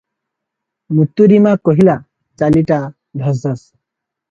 ମୁତୁରୀମା କହିଲା, ଚାଲିଟା ଧସ୍ ଧସ୍ ।